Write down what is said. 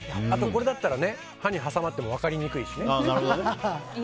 これだったら歯に挟まっても分かりにくいしね。